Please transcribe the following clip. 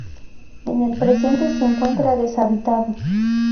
En el presente se encuentra deshabitado.